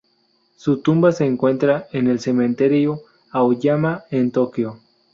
Su tumba se encuentra en el Cementerio Aoyama en Tokyo.